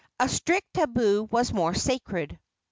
A strict tabu was more sacred.